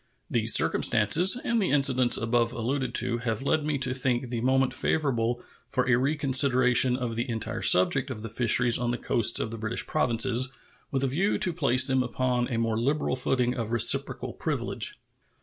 These circumstances and the incidents above alluded to have led me to think the moment favorable for a reconsideration of the entire subject of the fisheries on the coasts of the British Provinces, with a view to place them upon a more liberal footing of reciprocal privilege.